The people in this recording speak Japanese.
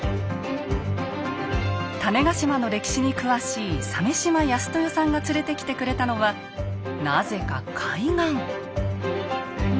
種子島の歴史に詳しい鮫嶋安豊さんが連れてきてくれたのはなぜか海岸。